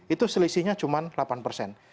itu selisihnya cuma delapan persen